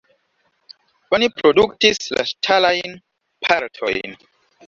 Oni produktis la ŝtalajn partojn.